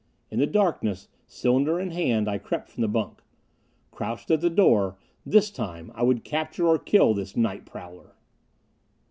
In the darkness, cylinder in hand, I crept from the bunk. Crouched at the door. This time I would capture or kill this night prowler.